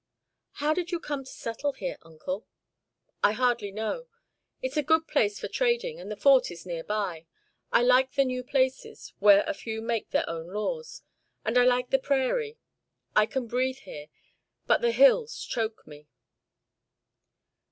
"How did you come to settle here, Uncle?" "I hardly know. It's a good place for trading, and the Fort is near by. I like the new places, where a few make their own laws, and I like the prairie. I can breathe here, but the hills choke me."